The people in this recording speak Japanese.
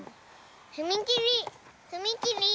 ふみきりふみきり。